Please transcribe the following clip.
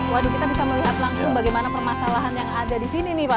waduh kita bisa melihat langsung bagaimana permasalahan yang ada di sini nih pak